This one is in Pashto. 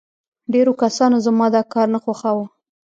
ډېرو کسانو زما دا کار نه خوښاوه